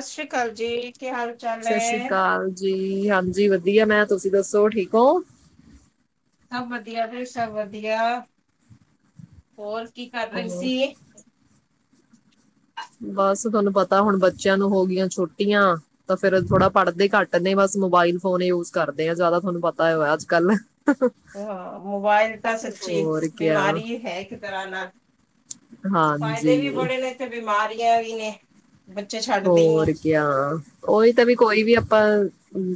ਸਤ ਸ੍ਰੀ ਕਾਲ ਜੀ, ਕੀ ਹਾਲ ਚਾਲ ਸਤਿ ਸ਼੍ਰੀ ਏ? ਅਕਾਲ ਜੀ, ਹਾਂਜੀ ਵਧੀਆ ਮੈਂ, ਤੁਸੀਂ ਦੱਸੋ ਠੀਕ ਹੋ? ਸਭ ਵਧੀਆ ਫੇਰ ਸਭ ਵਧੀਆ। ਹੋਰ? ਕੀ ਕਰ ਰਹੇ ਹੋਰ ਸੀ? ਬਸ ਤੁਹਾਨੂੰ ਪਤੈ ਹੁਣ ਬੱਚਿਆਂ ਨੂੰ ਹੋ ਗਿਆਂ ਛੁਟੀਆਂ ਤਾਂ ਫੇਰ ਔ ਥੋੜਾ ਪੜ੍ਹਦੇ ਘੱਟ ਨੇ ਬਸ ਮੋਬਾਇਲ ਫੋਨ ਯੂਸ ਕਰਦੇ ਆ ਜੈਦਾ ਤੁਹਾਨੂੰ ਪਤਾ ਐ ਅੱਜ-ਕੱਲ। ਹਾਂ, ਮੋਬਾਇਲ ਤਾਂ ਸੱਚੀ ਹੋਰ ਕਿਆ ਬਿਮਾਰੀ ਹੈ ਇੱਕ ਤਰ੍ਹਾਂ ਨਾਲ, ਫਾਇਦੇ ਵੀ ਹਾਂਜੀ ਬੜੇ ਨੇ ਤੇ ਬਿਮਾਰੀ ਇਹ ਵੀ ਨੇ। ਬੱਚੇ ਛੱਡਦੇ ਹੀ ਨੀ ਹੋਰ ਕਿਆ ਔਈ ਤੇ ਵੀ ਕੋਈ ਵੀ ਅਪਾਂ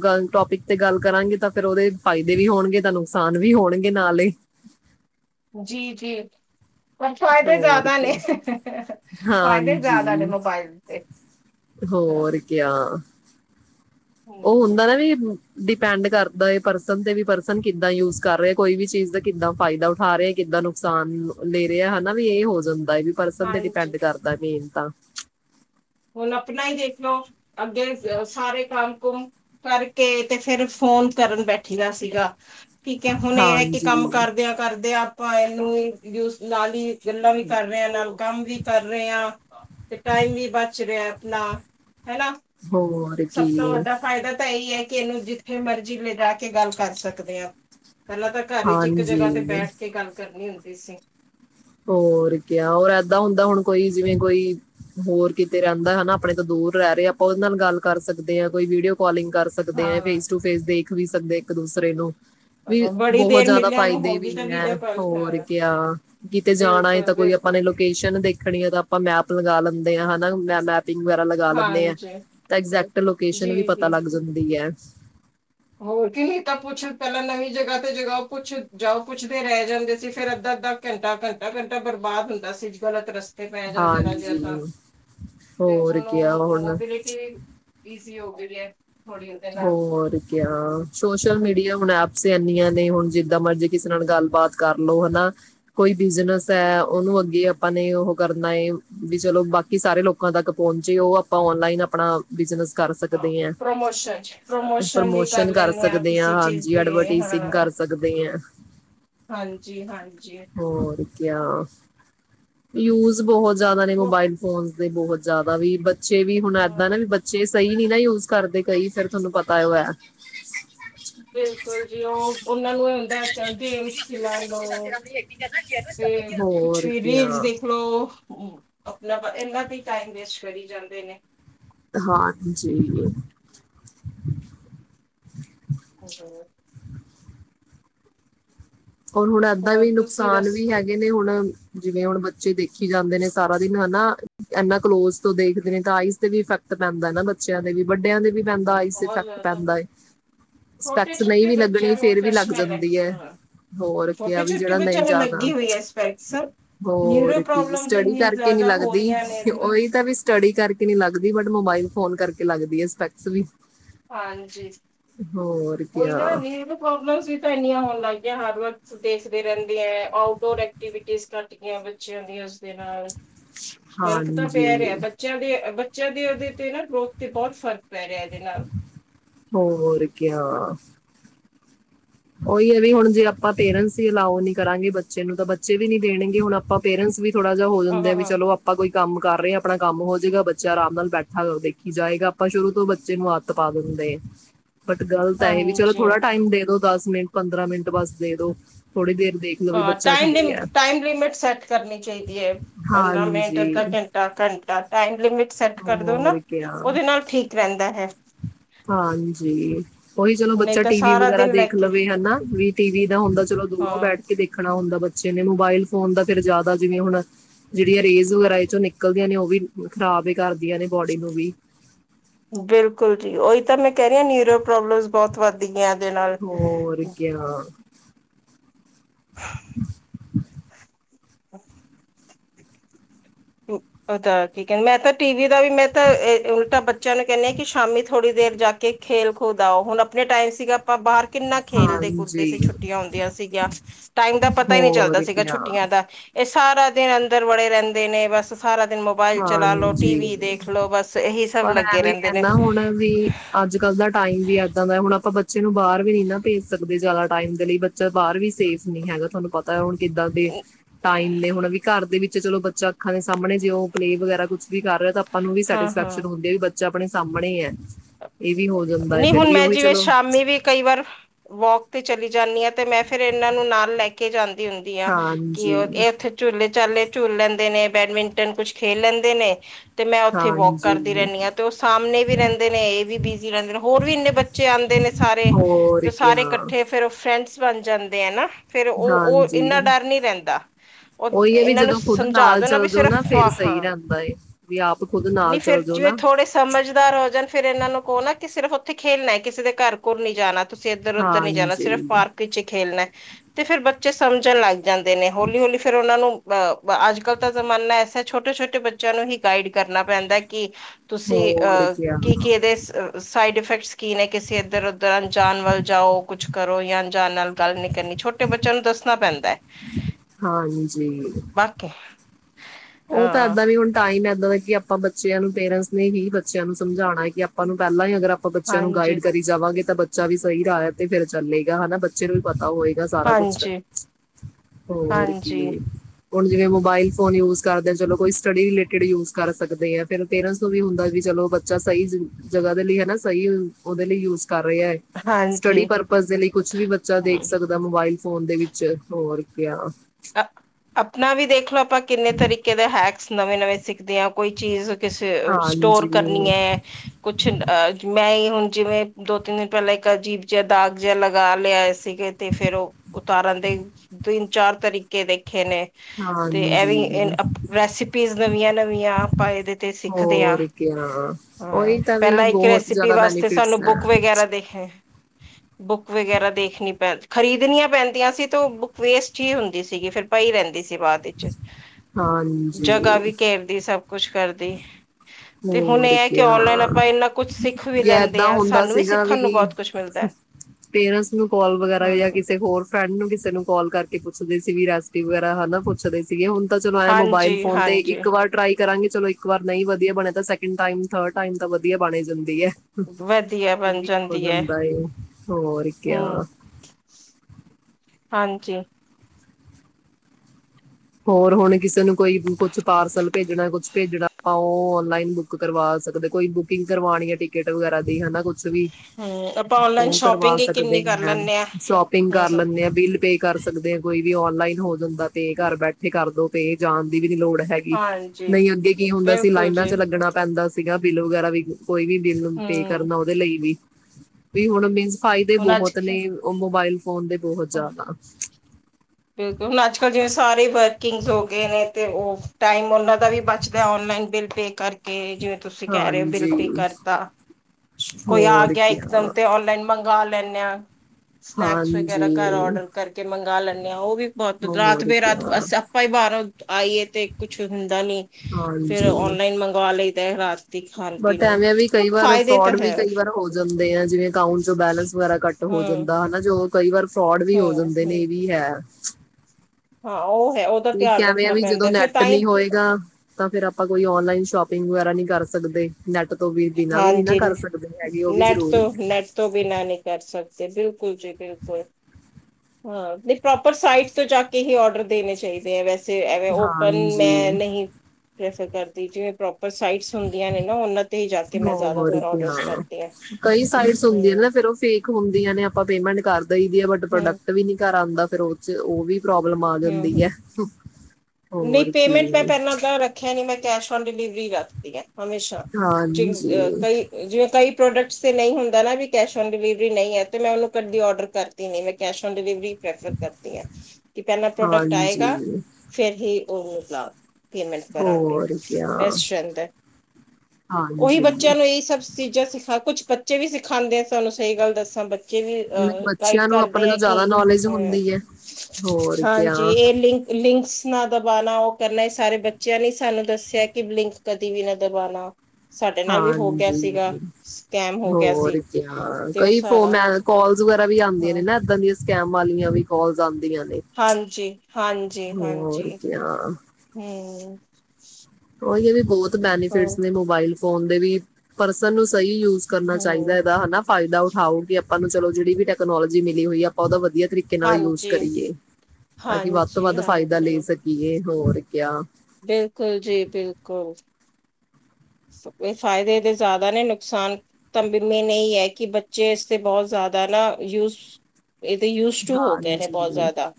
ਗਲ ਟੋਪਿਕ ਤੇ ਗੱਲ ਕਰਾਂਗੇ ਤਾਂ ਫੇਰ ਔਦੇ ਫਾਇਦੇ ਵੀ ਹੋਣਗੇ ਤਾਂ ਨੁਕਸਾਨ ਵੀ ਹੋਣਗੇ ਨਾਲੇ। ਜੀ ਜੀ। ਪਰ ਫਾਇਦੇ ਹੋਰ ਜਾਦਾ ਨੇ ਕਿਆ ਫਾਇਦੇ ਹਾਂਜੀ ਜਾਦਾ ਨੇ ਮੋਬਾਈਲ ਦੇ, ਹਾਂ। ਓਹ ਹਮ ਹੁੰਦਾ ਨਾ ਵੀ ਡਿਪੈਂਡ ਕਰਦਾ ਏ ਪਰਸਨ ਤੇ ਵੀ ਪਰਸਨ ਕਿੱਦਾਂ ਯੂਜ਼ ਕਰ ਰਿਐ ਕੋਈ ਵੀ ਚੀਜ਼ ਦਾ ਕਿੱਦਾਂ ਫਾਇਦਾ ਉਠਾ ਰਿਆ ਕਿੱਦਾਂ ਨੁਕਸਾਨ ਲੇ ਰਿਆ ਹੈਨਾ ਵੀ ਏ ਹੋ ਜਾਂਦ ਵੀ ਪਰਸਨ ਤੇ ਹਾਂਜੀ ਡਿਪੈਂਡ ਕਰਦੈ ਮੇਨ ਤਾਂ। ਹੁਣ ਆਪਣਾ ਈ ਦੇਖ ਲੋ ਅੱਗੇ ਸਾਰੇ ਕੰਮ-ਕੁੰਮ ਕਰਕੇ ਤੇ ਫੇਰ ਫੋਨ ਕਰਨ ਬੈਠੀ ਦਾ ਸੀਗਾ। ਠੀਕ ਐ ਹੁਣ ਏਹ ਹੈ ਕਿ ਕੰਮ ਹਾਂਜੀ ਕਰਦਿਆਂ ਕਰਦੇ ਅਪ ਆਪਾਂ ਐਨੂੰ ਯੁਜ਼ ਨਾਲ ਈ ਗੱਲਾਂ ਵੀ ਕਰ ਰੇ ਆਂ ਨਾਲ ਕੰਮ ਵੀ ਕਰ ਰੇ ਆ, ਤੇ ਟਾਈਮ ਵੀ ਬਚ ਬਚ ਰਿਐ ਆਪਣਾ ਹੈਨਾ, ਹੋਰ ਸਭ ਕੀ ਤੋਂ ਵੱਡਾ ਫਾਇਦਾ ਤਾਂ ਐਈ ਐ। ਇਹਨੂੰ ਜਿੱਥੇ ਮਰਜ਼ੀ ਲਿਜਾ ਕੇ ਗੱਲ ਕਰ ਸਕਦੇ ਆਂ। ਪਹਿਲਾਂ ਤਾਂ ਘਰ ਇਚ ਇਕ ਜਗ੍ਹਾ ਤੇ ਹਾਂਜੀ ਬੈਠ ਕੇ ਗੱਲ ਕਰਨੀ ਹੁੰਦ ਪਿਸੀੰਗ ਹੋਰ ਕਿਆ ਹੋਰ ਐਦਾਂ ਹੁੰਦੈ ਹੁਣ ਕੋਈ ਜਿਵੇਂ ਕੋਈ ਹੋਰ ਕਿਤੇ ਰਹਿੰਦੈ ਹੈਨਾ ਅਪਣੇ ਤੋਂ ਦੂਰ ਰੈ ਰਹਿ ਰਿਆ ਅਪਾਂ ਔਦੇ ਨਾਲ ਗੱਲ ਕਰ ਸਕਦੇ ਆਂ, ਕੋਈ ਵੀਡੀਓ ਕੌਲਿੰਗ ਕਰ ਸਕਦੇ ਆ ਹਾਂ ਫੇਸ ਟੂ ਫੇਸ ਦੇਖ ਖ ਵੀ ਸਕਦੇ ਇੱਕ ਦੂਸਰੇ ਨੂੰ। ਵੀ ਬੜੀ ਬਹੁਤ ਦੇਰ ਜਿਆਦਾ ਮਿਲਿਆਂ ਨੂੰ ਹੋ ਫਾਇਦੇ ਵੀ ਗਈ ਤਾਂ ਐ, ਵੀਡੀਓ ਕਾਲ ਹੋਰ ਹਾਂ ਕਿਆ ਕਿਤੇ ਜਾਣਾ ਏ ਬਿਲਕੁਲ ਤਾਂ ਕੋਈ ਬਿਲਕੁਲ ਅਪਣੇ ਜੀ ਲੋਕੇਸ਼ਨ ਦੇਖਣੀ ਐ ਤਾਂ ਆਪਾਂ ਮੈਪ ਲਗਾ ਲੈਣ ਦੇ ਆ ਹੈਨਾ, ਮੈਂ ਮੈਂਪ ਪਿੰਗ ਵਗੈਰਾ ਲਗਾ ਲੈਂਦੇ ਐ, ਹਾਂਜੀ ਤਾਂ ਐਗਜੈਕਟ ਲੋਕੇਸ਼ਨ ਜੀ ਵੀ ਪਤਾ ਜੀ ਲੱਗ ਜਾਂਦੀ ਐ। [inaudible] ਹੋਰ ਕੀ ਨੀ ਤਾਂ ਪੁੱਛ ਪਹਿਲਾਂ ਨਵੀਂ ਜਗ੍ਹਾ ਤੇ ਜਗਾ ਓ ਪੁੱਛ ਜਾ ਔ ਪੁੱਛਦੇ ਰਹਿ ਜਾਂਦੇ ਸੀ, ਫੇਰ ਅੱਧਾ -ਅੱਧਾ ਘੈੰਟਾ ਘੰਟਾ -ਘੰਟਾ ਬਰਬਾਦ ਹੁੰਦਾ ਸੀ ਗ਼ਲਤ ਰਸ ਤੇ ਪੈ ਜਾਵੇ ਜਰਾ ਜਾ ਤਾ ਹਾਂਜੀ ਤੇ ਹੋਰ ਹੁਣ ਔ ਕਿਆ ਹੁਣ ਮੋਬਿਲੀਟੀ ਈਸ ਕੀ ਹੋ ਕੀ ਰਿਹਾ? ਥੋੜੀ ਉਹਦੇ ਨਾਲ ਹੋਰ ਕਿਆ ਸੋਸ਼ਲ ਮੀਡੀਆ ਹੁਣ ਐਪਸ ਏਨੀਆ ਨੇ ਹੁਣ ਜਿਦਾਂ ਮਰਜੀ ਕਿਸੇ ਨਾਲ ਗੱਲ ਬਾਤ ਕਰਲੋ ਹੈਨਾ, ਕੋਈ ਬਿਜਨਸ ਐ ਓਨੂੰ ਅਗੇ ਆਪਾਂ ਨੇ ਉਹ ਕਰਨਾ ਏ ਵੀ ਚਲੋ ਬਾਕੀ ਸਾਰੇ ਲੋਕਾਂ ਤਕ ਪਹੁੰਚੇ ਉਹ ਅਪਨਾ ਔਨਲਾਈਨ ਅਪਣਾ ਬਿਜ਼ਨਸ ਕਰ ਹਾਂ ਸਕਦੀ ਆਂ। ਪ੍ਰਮੋਸ਼ਨ ਵੀ ਪ੍ਰਮੋਸ਼ਨ ਕਰ ਲੈਂਦੇ ਹਾਂ ਸਕਦੇ ਆ ਕਿਸੇ ਚੀਜ਼ ਹਾਂਜੀ ਦੀ ਐਡਵਰਟੀਜਿੰਗ ਹਾਂ ਕਰ ਸਕਦੇ ਆ, ਹਾਂਜੀ ਹਾਂਜੀ ਹੋਰ ਕਿਆ ਯੂਜ ਬਹੁਤ ਜ਼ਿਆਦਾ ਨੇ ਉਹ ਮੋਬਾਇਲ ਫੋਨ ਬਹੁਤ ਜ਼ਿਆਦਾ ਵੀ ਬੱ ਬੱਚੇ ਵੀ ਹੁਣ ਏਦਾਂ ਨਾ ਹਾਂ ਵੀ ਬੱਚੇ ਸਹੀ ਨੀ ਨਾ ਯੂਜ ਕਰਦੇ ਕਈ ਫੇਰ ਤੁਹਾਨੂੰ ਪਤਾ ਔ ਏ ਬਿਲਕੁਲ ਜੀ ਉਹ ਉਹਨਾਂ ਨੂੰ ਏ ਹੁੰਦਾ ਹੈ, ਚਲ ਗੇਮਸ ਖਿਲਾ ਲੋ ਤੇ ਕੁਛ ਹੋਰ ਵੀ ਕਿਆ ਰੀਲਸ ਦੇਖ ਲੋ। ਅਪਣਾ ਤਾਂ ਇਹਨਾਂ ਚ ਹੀ ਟਾਈਮ ਵੇਸਟ ਕਰੀ ਜਾਂਦੇ ਨੇ। ਹਾਂਜੀ। ਅੱਛਾ ਔਰ ਹੁਣ ਏਦਾਂ ਹੋਰ ਵੀ ਤੁਸੀਂ ਨੁਕਸਾਨ ਵੀ ਦੱਸੋ ਹੈਗੇ ਨੇ ਹੁਣ ਜਿਵੇਂ ਹੁਣ ਬੱਚੇ ਦੇਖੀ ਜਾਂਦੇ ਨੇ ਸਾਰਾ ਦਿਨ ਹੈਨਾ, ਇਨਾ ਕਲੋਜ ਤੋਂ ਦੇਖਦੇ ਨੇ ਤਾਂ ਆਈਜ਼ ਤੇ ਵੀ ਇਫੈਕਟ ਪੈਂਦਾ ਹੈ ਨਾ ਬੱਚਿਆਂ ਦੇ ਵੀ, ਵੱਡਿਆਂ ਦੇ ਵੀ। ਪੈਂਦਾ ਆਇਸ ਬਹੁਤ ਇਫ਼ੇਕਟ ਜ਼ਿਆਦਾ ਪੈਂਦਾ ਹੈ। ਛੋਟੇ ਸਪੈਕਸ ਨਹੀਂ ਛੋਟੇ ਵੀ ਲੱਗਣੀ ਬੱਚਿਆਂ ਨੂੰ ਫੇਰ ਵੀ ਲੱਗ ਚਸ਼ਮੇ ਜਾਂਦੀ ਹੈ। ਹਾਂ ਹੋਰ ਕਿਆ ਛੋਟੇ ਵੀ ਛੋਟੇ ਜਿਹੜਾ ਨਹੀਂ ਬੱਚਿਆਂ ਨੂੰ ਜ਼ਿਆਦਾ ਲੱਗੀ ਹੋਈ ਹੈ ਸਪੈਕਸ ਨਿਊਰੋ ਹੋਰ ਕੀ ਪ੍ਰੋਬਲਮਸ ਸਟੱਡੀ ਇੰਨੀਆਂ ਕਰਕੇ ਨੀ ਜ਼ਿਆਦਾ ਹੋ ਲੱਗਦੀ ਰਹੀਆਂ ਨੇ ਇਹਦੇ ਨਾਲ ਉਹੀ ਤਾਂ ਵੀ ਸਟੱਡੀ ਕਰਕੇ ਨੀ ਲੱਗਦੀ ਬਟ ਮੋਬਾਇਲ ਫੋਨ ਕਰਕੇ ਲੱਗਦੀ ਹੈ ਸਪੈਕਸ ਵੀ ਹਾਂਜੀ ਹੋਰ ਉਹੀ ਨਾ ਕਿਆ ਨਿਉਰੋ ਪ੍ਰੋਬਲਮਸ ਵੀ ਤਾਂ ਏਨੀਆਂ ਹੋਣ ਲੱਗ ਗਿਆਂ, ਹਰ ਵਕਤ ਦੇਖਦੇ ਰਹਿੰਦੇ ਆ ਆਊਟਡੋਰ ਐਕਟੀਵਿਟੀਜ਼ ਘੱਟ ਗਈਆਂ ਬੱਚਿਆਂ ਦੀ ਉਸਦੇ ਨਾਲ ਫ਼ਰਕ ਤਾਂ ਪੈ ਰਿਹਾ ਹਾਂਜੀ ਬੱਚਿਆਂ ਦੇ ਬੱਚਿਆਂ ਦੇ ਉਹਦੇ ਤੇ ਨਾ ਵੋਕ ਤੇ ਬਹੁਤ ਫ਼ਰਕ ਪੈ ਰਿਹਾ ਇਹਦੇ ਨਾਲ ਹੋਰ ਕਿਆ ਹਾਂ ਉਹੀ ਹੈ ਵੀ ਹੁਣ ਜੇ ਆਪਾਂ ਪੇਰੈਂਟਸ ਹੀ ਅਲਾਓ ਨੀ ਕਰਾਂਗੇ ਬੱਚੇ ਨੂੰ ਤਾਂ ਬੱਚੇ ਵੀ ਨੀ ਦੇਣਗੇ ਹੁਣ, ਆਪਾਂ ਪੇਰੈਂਟਸ ਵੀ ਥੋੜਾ ਜਹਾ ਹੋ ਜਾਂਦਾ ਵੀ ਹਾਂ ਚਲੋ ਆਪਾਂ ਕੋਈ ਕੰਮ ਕਰ ਰਹੇ ਅਪਣਾ ਕੰਮ ਹੋ ਜਾਏਗਾ, ਬੱਚਾ ਆਰਾਮ ਨਾਲ ਬੈਠਾ ਦੇਖੀ ਜਾਏਗਾ। ਆਪਾਂ ਸ਼ੁਰੂ ਤੋਂ ਬੱਚੇ ਨੂੰ ਆਦਤ ਪਾ ਦਿੰਦੇ ਬਟ ਗਲਤ ਹੈ ਇਹ ਵੀ, ਚਲੋ ਹਾਂਜੀ ਥੋੜਾ ਟਾਈਮ ਦੇ ਦੋ ਦਸ ਮਿੰਟ, ਪੰਦਰਾਂ ਮਿੰਟ, ਬਸ ਦੇ ਦੋ ਥੋੜੀ ਦੇਰ ਦੇਖ ਲਓ ਵੀ ਹਾਂ ਬੱਚਾ ਟਾਈਮ ਠੀਕ ਹੈ ਟਾਈਮ ਲਿਮਿਟ ਸੈਟ ਕਰਨੀ ਚਾਹੀਦੀ ਹੈ। ਪੰਦਰਾਂ ਮਿੰਟ, ਅੱਧਾ ਹਾਂਜੀ ਘੰਟਾ, ਘੰਟਾ ਟਾਈਮ ਲਿਮਿਟ ਸੈਟ ਕਰ ਦੋ ਹੋਰ ਨਾ ਕਿਆ ਉਹਦੇ ਨਾਲ ਠੀਕ ਰਹਿੰਦਾ ਏਹੇ ਹਾਂਜੀ। ਉਹੀ ਚਲੋ ਨਹੀਂ ਬੱਚਾ ਤਾਂ ਟੀ ਵੀ ਸਾਰਾ ਵਗੈਰਾ ਦਿਨ ਲੈ ਦੇਖ ਕੇ ਲਵੇ ਹਨਾ, ਵੀ ਟੀਵੀ ਦਾ ਹੁੰਦਾ ਚਲੋ ਦੂਰੋਂ ਹਾਂ ਬੈਠ ਕੇ ਦੇਖਣਾ ਹੁੰਦਾ ਬਚੇ ਨੇ ਮੋਬਾਇਲ ਫੋਨ ਦਾ ਫਿਰ ਜ਼ਿਆਦਾ ਜਿਵੇਂ ਹੁਣ ਜਿਹੜੀਆਂ ਰੇਂਜ਼ ਵਗੈਰਾ ਨਿਕਲਦੀਆਂ ਨੇ ਉਹ ਵੀ ਖ਼ਰਾਬ ਹੀ ਕਰਦੀਆਂ ਨੇ ਬੋਡੀ ਨੂੰ ਵੀ। ਬਿਲਕੁਲ ਜੀ ਉਹੀ ਤਾਂ ਮੈਂ ਕਹਿ ਰਹੀ ਹਾਂ ਨਿਊਰੋ ਪ੍ਰੋਬਲਮਸ ਬਹੁਤ ਵੱਦਗੀਆਂ। ਹੋਰ ਕਿਆ। [inaudible] [inaudible] ਉਹਦਾ ਕੀ ਕਹਿੰਦੇ ਮੈਂ ਤਾਂ ਟੀ ਵੀ ਦਾ ਵੀ ਮੈਂ ਤਾਂ ਉਲਟਾ ਬੱਚਾ ਬੱਚਿਆਂ ਨੂੰ ਕਹਿੰਦੇ ਹਾਂ ਕਿ ਸ਼ਾਮੀ ਥੋੜੀ ਦੇਰ ਜਾ ਕੇ ਖੇਲ ਕੂਦ ਆਓ ਹੁਣ ਆਪਣੇ ਟਾਈਮ ਸੀਗਾ ਆਪਾਂ ਬਾਹਰ ਕਿੰਨਾ ਖੇਲਦੇ ਕੁਦਦੇ ਹਾਂਜੀ ਸੀ ਛੁੱਟੀਆਂ ਹੁੰਦੀਆਂ ਸੀਗੀਆਂ, ਟਾਈਮ ਦਾ ਪਤਾ ਹੀ ਨਹੀਂ ਚੱਲਦਾ ਹੋਰ ਸੀਗਾ ਕਿਆ ਛੁੱਟੀਆਂ ਦਾ ਇਹ ਸਾਰਾ ਦਿਨ ਅੰਦਰ ਵੜੇ ਰਹਿੰਦੇ ਦੇ ਨੇ ਬਸ ਸਾਰਾ ਦਿਨ ਮੋਬਾਇਲ ਚਲਾ ਲੋ ਟੀ ਹਾਂਜੀ ਵੀ ਦੇਖ ਲੋ ਬਸ ਇਹੀ ਸਭ ਪਰ ਲੱਗੇ ਐਵੇਂ ਰਹਿੰਦੇ ਹੈ ਨੇ ਨਾ ਹੁਣ ਵੀ ਅੱਜ ਕੱਲ ਦਾ ਟਾਈਮ ਵੀ ਏਦਾਂ ਦਾ ਹੁਣ ਆਪਾਂ ਬੱਚੇ ਨੂੰ ਬਾਹਰ ਵੀ ਨਹੀਂ ਨਾ ਭੇਜ ਸਕਦੇ ਜ਼ਿਆਦਾ ਟਾਈਮ ਦੇ ਲਈ ਬੱਚਾ ਬਾਹਰ ਵੀ ਸੇਫ ਨਹੀਂ ਹੈਗਾ ਤੁਹਾਨੂੰ ਪਤਾ ਹੁਣ। ਕਿੱਦਾਂ ਦੇ ਟਾਈਮ ਨੇ, ਹੁਣ ਵੀ ਘਰ ਦੇ ਵਿੱਚ ਚਲੋ ਬੱਚਾ ਅੱਖਾਂ ਦੇ ਸਾਹਮਣੇ ਜੇ ਉਹ ਪਲੇ ਵਗੈਰਾ ਕੁੱਛ ਵੀ ਕਰ ਰਿਹਾ ਤਾਂ ਸਾਨੂੰ ਵੀ ਹਾਂ ਹਾਂ ਸੈਟਿਸਫੈਕਸ਼ਨ ਹੁੰਦੀ ਹੈ ਕੇ ਬ ਚਾ ਆਪਣੇ ਸਾਹਮਣੇ ਹੈ। ਇਹ ਵੀ ਹੋ ਜਾਂਦਾ ਹੈ ਨਹੀਂ ਫਿਰ ਹੁਣ ਵੀ ਮੈਂ ਉਹੀ ਜਿਵੇਂ ਚਲੋ ਸ਼ਾਮੀ ਵੀ ਕਈ ਵਾਰ ਵੋਕ ਤੇ ਚਲੀ ਜਾਂਦੀ ਹਾਂ ਤੇ ਮੈਂ ਫਿਰ ਇਹਨਾਂ ਨੂੰ ਨਾਲ ਲੈ ਕੇ ਕੇ ਜਾਂਦੀ ਦੀ ਹੁੰਦੀ ਆ, ਕਿ ਹਾਂਜੀ ਉਹ ਇਹ ਉੱਥੇ ਝੂਲੇ ਚਾਲੇ ਝੂਲ ਲੈਂਦੇ ਨੇ। ਬੈਡਮਿੰਟਨ ਕੁਛ ਖੇਲ ਲੈਂਦੇ ਨੇ। ਤੇ ਮੈਂ ਉੱਥੇ ਵੋਕ ਕਰਦੀ ਹਾਂਜੀ ਰਹਿੰਨੀ ਆਂ, ਤੇ ਉਹ ਸਾਹਮਣੇ ਵੀ ਰਹਿੰਦੇ ਨੇ ਇਹ ਵੀ ਬਿ ਰਹਿੰਦੇ ਹੋਰ ਵੀ ਇੰਨੇ ਬੱਚੇ ਆਉਂਦੇ ਨੇ ਸਾਰੇ, ਹੋਰ ਤੇ ਸਾਰੇ ਕਿਆ ਇਕੱਠੇ ਫੇਰ ਫਰੈਂਡ ਸ ਬਣ ਜਾਂਦੇ ਹੈ ਨਾ। ਫਿਰ ਉਹ ਉਹ ਇੰਨਾ ਹਾਂਜੀ ਡਰ ਨੀ ਰਹਿੰਦਾ, ਉਹ ਉਹੀ ਹੈ ਵੀ ਇਹਨਾਂ ਨੂੰ ਜਦੋਂ ਖੁਦ ਸਮਝਾ ਨਾਲ ਦੋ ਨਾ ਵੀ ਚੱਲ ਜਾਓ ਸਿਰਫ, ਫਿਰ ਸਹੀ ਹਾਂ ਰਹਿੰਦਾ ਏ ਵੀ ਆਪ ਖੁਦ ਨਹੀਂ ਨਾਲ ਫਿਰ ਚੱਲ ਜਾਓ ਜਿਵੇਂ ਨਾ ਥੋੜੇ ਸਮਝਦਾਰ ਹੋ ਜਾਣ ਫਿਰ ਇਹਨਾਂ ਨੂੰ ਕਹੋ ਨਾ ਸਿਰਫ਼ ਉੱਥੇ ਖੇਲਣਾ, ਕਿਸੇ ਦੇ ਘਰ ਕੁਰ ਨਹੀਂ ਜਾਣਾ। ਤੁਸੀਂ ਇੱਧਰ ਉੱਧਰ ਨੀ ਜਾਣਾ, ਹਾਂਜੀ ਸਿਰਫ ਪਾਰਕ ਵਿੱਚ ਹੀ ਖੇਲਣਾ ਹੇ। ਤੇ ਫੇਰ ਬੱਚੇ ਸਮਝਣ ਲੱਗ ਜਾਂਦੇ ਨੇ ਹੌਲੀ-ਹੌਲੀ ਫਿਰ ਉਹਨਾਂ ਨੂੰ ਅ ਅੱਜ ਕੱਲ੍ਹ ਤਾਂ ਜ਼ਮਾਨਾ ਐਸਾ ਛੋਟੇ-ਛੋਟੇ ਬੱਚਿਆਂ ਨੂੰ ਹੀ ਗਾਈਡ ਕਰਨਾ ਪੈਂਦਾ ਕਿ ਤੁਸੀਂ ਹੋਰ ਅਹ ਕਿਆ ਕੀ-ਕੀ ਇਹਦੇ ਸਾਈਡ ਇਫੈਕਟਸ ਕੀ ਨੇ? ਕਿਸੇ ਇੱਧਰ- ਉੱਧਰ ਅਣਜਾਨ ਵੱਲ ਜਾਓ, ਕੁਛ ਕਰੋ ਜਾਂ ਅਣਜਾਨ ਨਾਲ ਗੱਲ ਨਿਕ ਕਰਨੀ, ਛੋਟੇ ਬੱਚਿਆਂ ਨੂੰ ਦੱਸਣਾ ਪੈਂਦਾ ਹੈ, ਹਾਂਜੀ ਬਾਕੀ ਉਹ ਤਾਂ ਹਾਂ ਏਦਾਂ ਵੀ ਹੁਣ ਟਾਈਮ ਐ। ਏਦਾਂ ਦਾ ਕਿ ਆਪਾਂ ਬੱਚਿਆਂ ਨੂੰ ਪੇਰੈਂਟਸ ਨੇ ਹੀ ਬੱਚਿਆਂ ਨੂੰ ਸਮਝਾਉਣਾ ਹੈ ਕਿ ਆਪਾਂ ਨੂੰ ਪਹਿਲਾਂ ਹੀ ਅਗਰ ਆਪਾਂ ਬੱਚਿਆਂ ਨੂੰ ਗਾਈਡ ਹਾਂਜੀ ਕਰੀ ਜਾਵਾਂਗੇ ਤਾਂ ਬੱਚਾ ਵੀ ਸਹੀ ਰਾਹ ਹੈ ਤੇ ਫੇਰ ਚੱਲੇਗਾ, ਹਨਾ ਬੱਚੇ ਨੂੰ ਵੀ ਪਤਾ ਹੋਏਗਾ। ਇਹ ਸਾਰਾ ਕੁਛ ਹ ਹਾਂਜੀ ਹੋਰ ਹਾਂਜੀ ਕੀ ਹੁਣ ਜਿਵੇਂ, ਮੋਬਾਈਲ ਫੋਨ ਯੂਜ ਕਰਦੇ ਆ, ਚਲੋ ਕੋਈ ਸਟੱਡੀ ਰਿਲੇਟਿਡ ਯੂਜ ਕਰ ਸਕਦੇ ਆ, ਫੇਰ ਪੇਰੈਂਟਸ ਨੂੰ ਵੀ ਹੁੰਦਾ ਵੀ ਚਲੋ ਬੱਚਾ ਸਹੀ ਜਗ੍ਹਾ ਦੇ ਲਈ, ਹਨਾ ਸਹੀ ਉਹਦੇ ਲਈ ਯੂਸ ਕਰ ਰਿਹਾ ਹੈ, ਹਾਂਜੀ ਸਟੱਡੀ ਪਰਪਜ਼ ਦੇ ਲਈ ਕੁਛ ਵੀ ਬੱਚਾ ਦੇਖ ਹਮ ਸਕਦਾ। ਮੋਬਾਈਲ ਫੋਨ ਦੇ ਵਿੱਚ, ਹੋਰ ਕਿਆ ਅ- ਆਪਣਾ ਵੀ ਦੇਖ ਲਓ। ਆਪਾਂ ਕਿੰਨੇ ਤਰੀਕੇ ਦੇ ਹੈਕਸ ਨਵੇਂ-ਨਵੇਂ ਸਿੱਖ ਦੇ ਆ। ਕੋਈ ਚੀਜ਼, ਕਿਸੇ ਸਟੋਰ ਹਾਂਜੀ ਕਰਨੀ ਹੈ। ਕੁਛ ਅ ਮੈਂ ਹੁਣ ਜਿਵੇਂ ਦੋ-ਤਿੰਨ ਦਿਨ ਪਹਿਲਾਂ ਇੱਕ ਅਜੀਬ ਜਿਹਾ ਦਾਗ ਜਿਹਾ ਲਗਾ ਲਿਆ ਆਏ ਸੀਗੇ ਤੇ ਫੇਰ ਉਹ ਉਤਾਰਨ ਦੇ ਤਿੰਨ ਚਾਰ ਤਰੀਕੇ ਦੇਖ ਖੇ ਨੇ ਤੇ ਇਹ ਵੀ, ਹਾਂਜੀ ਇਹ [unintelligible] ਰੈਸਪੀਜ਼ ਨਵੀਆਂ-ਨਵੀਆਂ ਆਪਾਂ ਇਹਦੇ ਤੇ ਸਿੱਖਦੇ ਹਾਂ। ਹੋਰ ਕਿਆ ਉਹੀ ਤਾਂ ਵੀ ਪਹਿਲਾਂ ਇੱਕ ਬਹੁਤ ਰੈਸਿਪੀ ਜ਼ਿਆਦਾ ਵਾਸਤੇ ਬੈਨੀਫਿਟਸ ਸਾਨੂੰ ਹੈ ਬੁੱਕ ਵਗੈਰਾ ਦੇਖ [inaudible] ਬੁੱਕ ਵਗੈਰਾ ਦੇਖਣੀ ਪੈ ਖਰੀਦਣੀਆਂ ਪੈਂਦੀਆਂ ਸੀ ਤੇ ਉਹ ਬੁੱਕ ਵੇਸਟ ਹੀ ਹੁੰ ਦੀ ਸੀਗੀ ਫਿਰ ਪਾਈ ਰਹਿੰਦੀ ਸੀ ਤੇ ਬਾਅਦ ਵਿੱਚ, ਜਗ੍ਹਾ ਹਾਂਜੀ ਵੀ ਘੇਰਦੀ, ਸਭ ਕੁਛ ਕਰਦੀ ਤੇ ਹੁਣ ਹੋਰ ਇਹ ਹੈ ਕਿ ਕਿਆ ਔਨਲਾਈਨ ਆਪਾਂ ਇੰਨਾ ਕੁਛ ਸਿੱਖ ਵੀ ਜਾਂ ਲੈਂਦੇ ਏਦਾਂ ਹਾਂ ਹੁੰਦਾ ਸਾਨੂੰ ਸੀਗਾ ਸਿੱਖਣ ਨੂੰ ਵੀ ਬਹੁਤ ਕੁਛ ਮਿਲਦਾ ਪੇਰੈਂਟਸ ਨੂੰ ਕਾਲ ਵਗੈਰਾ ਜਾਂ ਹਮ ਕਿਸੇ ਹੋਰ ਫਰੈਂਡ ਨੂੰ ਕਿਸ ਮੈਨੂੰ ਕਾਲ ਕਰਕੇ ਪੁੱਛਦੇ ਸੀ ਵੀ ਰੈਸੀਪੀ ਵਗੈਰਾ, ਹੈਨਾ, ਪੁੱਛਦੇ ਸੀਗੇ ਹੁਣ। ਤਾਂ ਚਲੋ ਐ ਮੋਬਾਇਲ ਹਾਂਜੀ ਫੋਨ ਤੇ, ਹਾਂਜੀ ਇੱਕ ਵਾਰ ਟਰਾਈ ਕਰਾਂਗੇ ਚਲੋ, ਇੱਕ ਵਾਰ ਨਹੀਂ ਵਧੀ ਵਧੀਆ ਬਣਿਆ ਤਾਂ ਸੈਕਿੰਡ ਟਾਈਮ, ਥਰਡ ਟਾਈਮ ਤਾਂ ਵਧੀਆ ਬਣ ਏ ਜਾਂਦੀ ਹੈ। ਵਧੀਆ ਇਹ, ਬਣ ਇੱਕ ਹੋ ਜਾਂਦੀ ਜਾਂਦਾ ਹੈ। ਹੋਰ ਕਿਆ। ਹਮ ਹਾਂਜੀ। ਹੋਰ ਹੁਣ, ਕਿਸੇ ਨੂੰ ਕੋਈ, ਕੁਛ ਪਾਰਸਲ ਭੇਜਣਾ। ਕੁਛ ਭੇਜਣਾ ਆਪ ਉਹ ਔਨਲਾਈਨ ਬੁੱਕ ਕਰਵਾ ਸਕਦੇ। ਕੋਈ ਬੁਕਿੰਗ ਕਰਵਾਣੀ ਆ ਟਿਕਟ ਵਗੈਰਾ ਦੀ ਹੈਨਾ ਕੁ ਕੁੱਛ ਵੀ, ਹਮ ਆਪਾਂ ਔਨਲਾਈਨ ਉਹ ਕਰਵਾ ਸ਼ੋਪਿੰਗ ਹੀ ਸਕਦੇ ਕਿੰਨੀ ਕਰ ਹੈ। ਲੈਂਦੇ ਹਾਂ ਸ਼ੋਪਿੰਗ ਹਮ ਕਰ ਹਮ ਲੈਂਦੇ ਆ। ਬਿੱਲ ਪੇ ਕਰ ਸਕਦੇ ਹਾਂ। ਕੋਈ ਵੀ ਔਨਲਾਈਨ ਹੋ ਜਾਂਦਾ ਪੇ ਘਰ ਬੈਠੇ ਇਥੇ ਕਰਦੋ ਤੇ ਇਹ ਜਾਣ ਦੀ ਵੀ ਨੀ ਲੋੜ। ਹੈਗੀ ਹਾਂਜੀ ਨਹੀਂ ਅੱਗੇ ਕੀ ਹੁੰਦਾ ਸੀ ਬਿਲਕੁਲ ਲਾਈਨਾਂ ਜੀ ਚ ਲੱਗਣਾ ਪੈਂਦਾ ਸੀਗਾ। ਬਿੱਲ ਵਗੈਰਾ ਵੀ, ਕੋਈ ਵੀ ਬਿੱਲ ਪੇ ਹਮ ਕਰਨਾ ਉਹਦੇ ਲਈ ਵੀ। ਵੀ ਹੁਣ ਮਿਨਸ ਫ਼ਾਇਦੇ ਹੁਣ ਅੱਜ ਬਹੁਤ ਨੇ ਉਹ ਮੋਬਾਇਲ ਫੋਨ ਦੇ ਬਹੁਤ ਜ਼ਿਆਦਾ। ਬਿਲਕੁਲ ਹੁਣ ਅੱਜ ਕੱਲ ਜਿਵੇਂ ਸਾਰੇ ਬ ਕਿੰਗਸ ਹੋ ਗਏ ਨੇ ਤੇ ਉਹ ਟਾਈਮ ਉਹਨਾਂ ਦਾ ਵੀ ਬਚਦਾ ਓਨਲਾਈਨ ਬਿੱਲ ਪੇ ਕਰਕੇ। ਜਿਵੇਂ ਤੁਸੀਂ ਕਹਿ ਰਹੇ ਹੋ ਬਿੱਲ ਪੇ ਹਾਂਜੀ ਕਰਤਾ। ਕੋਈ ਆ ਹੋਰ ਗਿਆ ਇਕਦਮ ਕਿਆ। ਤੇ ਔਨਲਾਈਨ ਮੰਗ ਮਂਗਾ ਲੈਂਨੇ ਆ। ਸਨੈਕਸ ਵਗੈਰਾ ਘਰ ਹਾਂਜੀ ਔਡਰ ਕਰਕੇ ਮੰਗਾ ਲੈਂ ਨੇ ਆ ਉਹ ਵੀ ਬਹੁਤ ਰਾਤ ਹੋਰ ਬੇ ਰਾਤ ਕਿਆ ਆਪਾਂ ਹੀ ਬਾਹਰੋ ਆਈਏ ਤੇ ਕੁੱਛ ਹੁੰਦਾ ਨੀ ਫਿਰ ਹਾਂਜੀ। ਔਨਲਾਈਨ ਮੰਗਵਾ ਲਈ ਦੇ ਰਾਤ ਦੀ ਖਾਣ ਬਟ ਪੀਣ ਐਵੇਂ ਵੀ ਨੂੰ ਕਈ ਵਾਰ ਫਾਇਦੇ ਤਾਂ ਫਰੋਡ ਵੀ ਹੈ ਕਈ ਵਾਰ ਹੋ ਜਾਂਦੇ ਏ, ਜਿਵੇਂ ਅਕਾਊਂਟ ਚੋਂ ਬੈਲੈਂਸ ਵਗੈਰਾ ਕੱਟ ਹੋ ਹਮ ਜਾਂਦਾ ਹਨਾ ਜੋ ਕਈ ਵਾਰ ਫਰੋਡ ਵੀ ਹੋ ਹਮ ਜਾਂਦੇ ਹਮ ਨੇ ਇਹ ਵੀ ਹੈ। [inaudible] ਆਹੋ ਤੇ ਕਿਵੇਂ ਆ ਵੀ ਜਦੋਂ ਨੈਟ ਨਹੀ ਹੋਏਗਾ, ਤਾਂ ਫਿਰ ਆਪਾਂ ਕੋਈ ਔਨਲਾਈਨ ਸ਼ੋਪ ਪਿਂਗ ਵਗੈਰਾ ਨਹੀਂ ਕਰ ਸਕਦੇ। ਨੈਟ ਤੋਂ ਵੀ ਬਿਨਾਂ ਵੀ ਨਹੀਂ ਨਾ ਹਾਂਜੀ ਕਰ ਸਕਦੇ ਹੈਗੇ ਉਹ ਵੀ ਨੈਟ ਜ਼ਰੂਰੀ ਤੋਂ ਨੈਟ ਤੋਂ ਬਿਨਾ ਨਹੀਂ ਕਰ ਸਕਦੇ ਬਿਲਕੁਲ ਜੀ ਬਿਲਕੁਲ ਹਾਂ ਨਹੀਂ ਪ੍ਰੋਪਰ ਸਾਈਟ ਤੋਂ ਜਾ ਕੇ ਹੀ ਔਡਰ ਦੇਣੇ ਚਾਹੀਦੇ ਹੈ ਵੈ ਸੇ ਏਂਵੇਂ ਹੈ ਓਪਨ ਮੈਂ ਹਾਂਜੀ ਨਹੀਂ ਰਹਿ ਸਕ ਕਰਦੀ ਜਿਵੇਂ ਪ੍ਰੋਪਰ ਸਾਈਟਸ ਹੁੰਦੀਆਂ ਨੇ ਨਾ ਉਹਨਾਂ ਤੇ ਹੀ ਜਾ ਕੇ ਮੈਂ ਹੋਰ ਜ਼ਿਆਦਾਤਰ ਕਿਆ ਔਡਰਸ ਕਰਦੀ ਹਾਂ। ਕਈ ਸਾਈਡਸ ਹੁੰਦੀਆਂ ਨੇ ਨਾ ਹਮ ਫਿਰ ਉਹ ਫੇਕ ਹੁੰਦੀਆ ਨੇ। ਆਪਾਂ ਪੇਮੈਂਟ ਕਰ ਦਈ ਦੀ ਆ ਬਟ ਹਮ ਪ੍ਰੋਡਕਟ ਵੀ ਨੀ ਕਰ ਆਉਂਦਾ ਫੇਰ ਉਹ ਚ ਉਹ ਵੀ ਪ੍ਰੋਬਲਮ ਆ ਜਾਂ ਹਮ ਜਾਂਦੀ ਹਮ ਏ। ਨਹੀਂ ਪੇਮੈਂਟ ਮੈਂ ਪਹਿਲਾਂਦਾ ਰੱਖਿਆ ਨੀ ਮੈਂ ਕੈਸ਼ਔਨ ਡ ਡਿਲੀਵਰੀ ਰਾਖਤੀ ਹ ਹਮੇਸ਼ਾ ਜਿ ਹਾਂਜੀ ਕਈ ਜਿਵੇਂ ਕਈ ਪ੍ਰੋਡਕਟਸ ' ਨਹੀਂ ਹੁੰਦਾ ਨਾ ਵੀ ਕੈਸ਼ ਔਨ ਡਿਲੀਵਰੀ ਨਹੀਂ ਹੈ ਅਤੇ ਮੈਂ ਉਹਨੂੰ ਕੱਢਦੀ ਔਡਰ ਕਰਤੀ ਨਹੀਂ ਮੈਂ ਕੈਸ਼ ਔਨ ਡਿਲੀਵਰੀ ਪ੍ਰੈਫਰ ਕਰਦੀ ਆਂ ਕਿ ਪਹਿਲਾਾਂ ਪ੍ਰੋਡਕਟ ਆਏਗਾ। ਹਾਂਜੀ, [unintelligible] ਪੇਮੈਂਟ ਕਰਾਂਗੇ ਹੋਰ ਕਿਆ ਬੈਸਟ ਰਹਿੰਦਾ ਹੈ। ਉਹੀ ਹਾਂਜੀ, ਬੱਚਿਆਂ ਨੂੰ ਇਹੀ ਸਭ ਚੀਜ਼ਾਂ ਸਿਖਾ ਕੁਛ ਬੱਚੇ ਵੀ ਸਿਖਾਉਂਦੇ ਆ ਸਾਨੂੰ ਸਹੀ ਗੱਲ ਦੱਸਾਂ ਬ ਜੇ ਵੀ ਨਹੀਂ ਅ ਗਾਈਡ ਬੱਚਿਆਂ ਨੂੰ ਆਪਣੇ ਕਰਦੇ ਤੋਂ ਆ ਕਿ ਜ਼ਿਆਦਾ ਨੌਲੇਜ ਅ ਹੁੰਦੀ ਹੈ। ਹੋਰ ਕਿਆ ਹਾਂਜੀ ਇਹ ਲਿੰਕ ਲਿੰਕਸ ਨਾ ਦਬਾਉਣਾ ਉਹ ਕਰਨਾ ਸਾਰੇ ਬੱਚਿਆਂ ਨੇ ਸਾਨੂੰ ਦੱਸਿਆ ਕਿ ਬਲਿੰਕ ਕਦੇ ਵੀ ਨਾ ਦਬਾਉਣਾ। ਹਾਂਜੀ ਸਕੈਮ ਹੋ ਗਿਆ ਹੋਰ ਸੀ ਕਿਆ। ਤੇ ਉਹ ਕਈ ਸਾਰਾ ਫੋਨ ਕੋਲ ਵਗੈਰਾ ਵੀ ਆਉਂਦੀਆਂ ਨੇ ਹਾਂ ਨਾ ਦਾਂ ਦੀਆਂ ਸਕੈਮ ਵਾਲੀਆਂ ਵੀ ਕੋਲਸ ਆਂ ਹਾਂਜੀ ਹਾਂਜੀ ਹੋਰ ਹਾਂਜੀ ਕਿਆ ਹੂੰ [inaudible] ਓਹ ਵੀ ਬਹੁਤ ਬੈਨੀਫਿਟਸ ਨੇ ਮੋਬਾਈਲਸ ਫੋਨ ਦੇ ਵੀ ਪਰਸਨ ਨੂੰ ਸਹੀ ਯੂਜ ਕਰਨਾ ਚਾਹੀਦਾ ਹਮ ਇਹਦਾ ਹਨਾ। ਫਾਇਦਾ ਉਠਾਓਗੇ ਆਪਾਂ ਨੂੰ ਚਲੋ ਜਿਹੜੀ ਵੀ ਟੈਕਨੋਲੋਜੀ ਮਿਲੀ ਹੋਈ ਆ ਉਹਦਾ ਵਧੀਆ ਤਰੀਕੇ ਨਾਲ ਯੂਜ ਹਾਂਜੀ ਕਰੀਏ, ਤਾਂ ਕਿ ਵੱਧ ਤੋਂ ਹਾਂਜੀ ਵੱਧ ਫਾਇਦਾ ਲੈ ਹਾਂਜੀ ਸਕੀਏ। ਹੋਰ ਕਿਆ। ਬਿਲਕੁਲ ਜੀ ਬਿਲਕੁਲ। ਇਹ ਫਾਇਦੇ ਦੇ ਜ਼ਿਆਦਾ ਨੇ ਨੁਕਸਾਨ ਤਾਂ ਬੀ ਇਨੇ ਨਹੀਂ ਹੈ ਕਿ ਬੱਚੇ ਇਸਦੇ ਬਹੁਤ ਜ਼ਿਆਦਾ ਨਾ ਯੂਸ ਇਹਦੇ ਯੂਜ ਟੂ ਹੋ ਗਏ ਨੇ ਬਹੁਤ ਹਾਂਜੀ ਜ਼ਿਆਦਾ।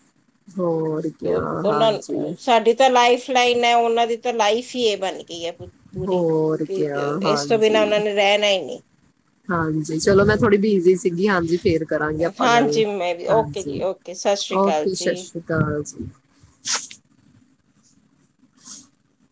ਹੋਰ ਕਿਆ ਉਹਨਾਂ ਹਾਂਜੀ ਸਾਡੀ ਤਾਂ ਲਾਈਫ ਲਾਈਨ ਹੈ ਉਹਨਾਂ ਦੀ ਲਾਈਫ ਹੀ ਇਹ ਬਨਗੀ ਹੈ ਪੂ ਪੂਰੀ ਹੋਰ ਕਿ ਕਿਆ ਇਸ ਤੋਂ ਬਿਨਾਂ ਉਹਨਾਂ ਹਾਂਜੀ ਨੇ ਰਹਿਣਾ ਹੀ ਨਹੀਂ ਹਾਂਜੀ। ਚਲੋ ਮੈਂ ਥੋੜੀ ਹਮ ਬਿਜੀ ਸੀਗੀ ਹਾਂਜੀ ਫੇਰ ਕਰਾਂਗੇ ਆਪਾਂ ਗੱਲ ਹਾਂਜੀ ਮੈਂ ਵੀ ਓਕੇ ਜੀ ਹਾਂਜੀ ਓਕੇ ਸਤਿ ਸ਼੍ਰੀ ਅਕਾਲ ਓਕੇ ਸਤਿ ਜੀ ਸ੍ਰੀ ਅਕਾਲ ਜੀ। [inaudible]